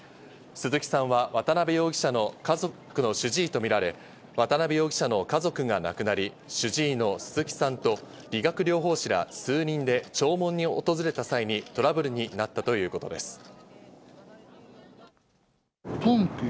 鈴木さんは渡辺容疑者の家族の主治医とみられ、渡辺容疑者の家族が亡くなり、主治医の鈴木さんと理学療法士ら数人で弔問に訪れた際にトラブルになったということです。